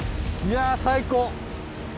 いやあ最高！